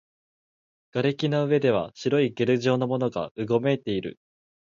瓦礫の上では白いゲル状のものがうごめいている